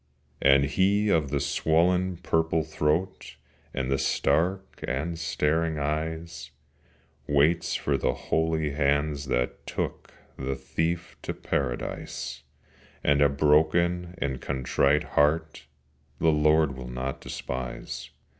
And he of the swollen purple throat, And the stark and staring eyes, Waits for the holy hands that took The Thief to Paradise; And a broken and a contrite heart The Lord will not despise.